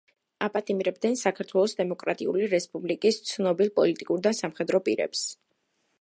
აპატიმრებდნენ საქართველოს დემოკრატიული რესპუბლიკის ცნობილ პოლიტიკურ და სამხედრო პირებს.